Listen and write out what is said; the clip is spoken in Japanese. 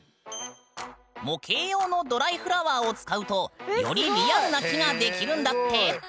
模型用のドライフラワーを使うとよりリアルな木が出来るんだって！